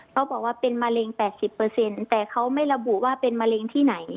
เขาบอกว่าเป็นมะเร็ง๘๐แต่เขาไม่ระบุว่าเป็นมะเร็งที่ไหน